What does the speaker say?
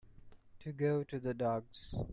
To go to the dogs.